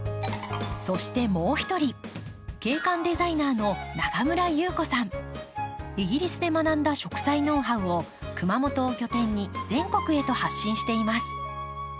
そしてもう一人イギリスで学んだ植栽ノウハウを熊本を拠点に全国へと発信しています。